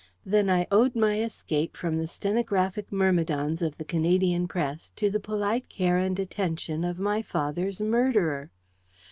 Then I owed my escape from the stenographic myrmidons of the Canadian Press to the polite care and attention of my father's murderer!